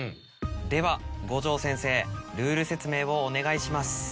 では五条先生ルール説明をお願いします。